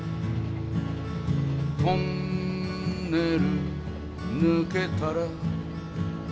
「トンネル抜けたら」